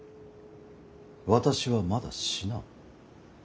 私はまだ死なん。